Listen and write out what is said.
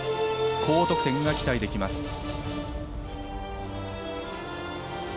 高得点が期待できます。